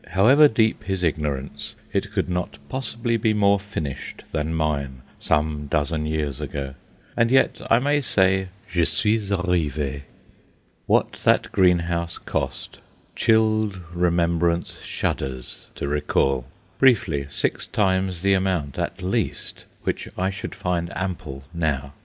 However deep his ignorance, it could not possibly be more finished than mine some dozen years ago; and yet I may say, Je suis arrivé! What that greenhouse cost, "chilled remembrance shudders" to recall; briefly, six times the amount, at least, which I should find ample now.